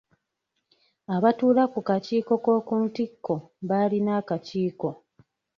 Abatuula ku kakiiko k'oku ntikko baalina akakiiko.